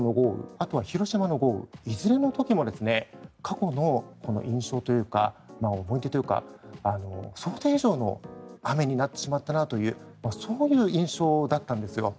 あと広島の豪雨いずれの時も過去の印象というか思い出というか想定以上の雨になってしまったという印象だったんです。